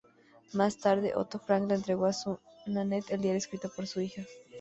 Más tarde, Otto Frank le entregó a Nanette el diario escrito por su hija.